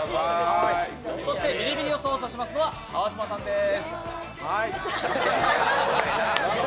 そしてビリビリを操作するのは川島さんです。